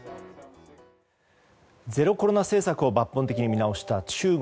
ゼロコロナ政策を抜本的に見直した中国。